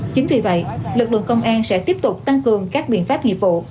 chính vì vậy lực lượng công an sẽ tiếp tục tăng cường các biện pháp nghiệp vụ